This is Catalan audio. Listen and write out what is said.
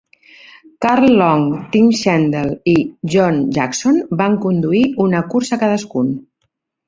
Carl Long, Tim Schendel i John Jackson van conduir una cursa cadascun.